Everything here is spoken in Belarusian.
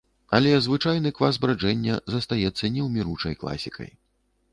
Але звычайны квас браджэння застаецца неўміручай класікай.